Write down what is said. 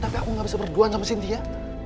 tapi aku gak bisa berduaan sama sintia